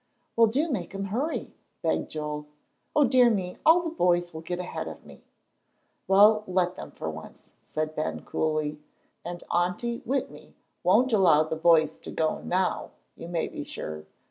"Well, do make him hurry," begged Joel. "O dear me, all the boys will get ahead of me!" "Well, let them for once," said Ben, coolly. "And Aunty Whitney won't allow the boys to go now, you may be sure.